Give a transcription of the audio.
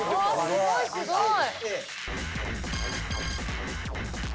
すごいすごい！